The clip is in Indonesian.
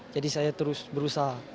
jadi saya terus berusaha